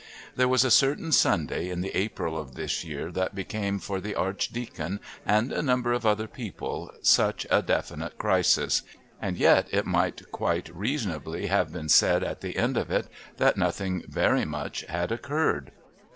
There was a certain Sunday in the April of this year that became for the Archdeacon and a number of other people such a definite crisis and yet it might quite reasonably have been said at the end of it that nothing very much had occurred.